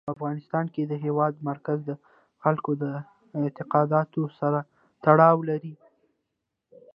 په افغانستان کې د هېواد مرکز د خلکو د اعتقاداتو سره تړاو لري.